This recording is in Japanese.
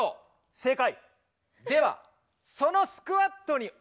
正解。